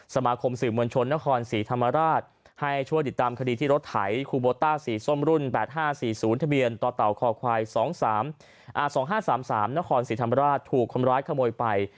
สมาคมสื่อมวลชนนครศรีธรรมราชให้ช่วยติดตามคดีที่รถไถคูโบต้าสีส้มรุ่น๘๕๔๐ทะเบียนต่อเต่าคอควาย๒๒๕๓๓นครศรีธรรมราชถูกคนร้ายขโมยไป